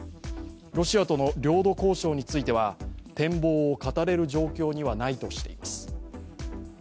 ロシアとの領土交渉については展望を語れる状況にはないとしています。